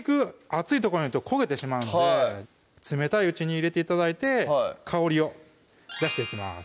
熱いとこに入れると焦げてしまうので冷たいうちに入れて頂いて香りを出していきます